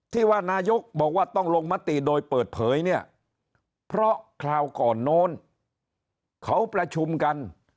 ที่ว่านายกบอกว่าต้องลงมติโดยเปิดเผยเนี่ยเพราะคราวก่อนโน้นเขาประชุมกัน